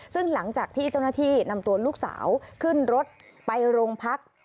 ซึ่งหลังจากที่เจ้าหน้าที่นำตัวลูกสาวขึ้นรถไปโรงพัก